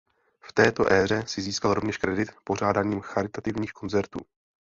V této éře si získal rovněž kredit pořádáním charitativních koncertů.